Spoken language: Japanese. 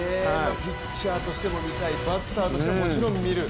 ピッチャーとしても見たい、バッターとしてももちろん見る。